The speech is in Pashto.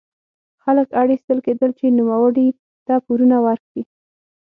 خلک اړ ایستل کېدل چې نوموړي ته پورونه ورکړي.